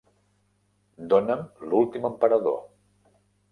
dóna'm L'últim Emperador